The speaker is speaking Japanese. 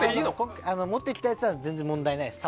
持ってきたやつは全然問題ないです。